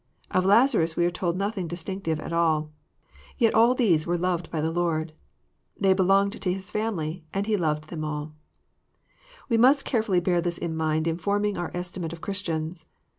Of Lazarus we are told nothing distinctiye at all. Yet all these were loved by the Lord Jesus. They all belonged to His family, and He loved them aU. We must carefully bear this in mind in forming our estimate of Christians.